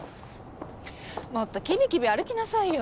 もっときびきび歩きなさいよ。